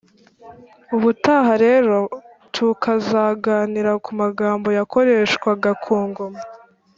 Ubutaha rero tukazaganira ku magambo yakoreshwaga ku Ngoma